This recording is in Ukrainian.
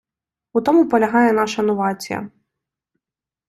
У тому полягає наша новація.